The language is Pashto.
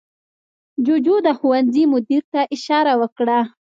جوجو د ښوونځي مدیر ته اشاره وکړه.